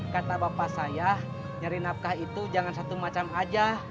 kata bapak saya nyari nafkah itu jangan satu macam aja